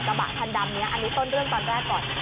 กระบะคันดำนี้อันนี้ต้นเรื่องตอนแรกก่อน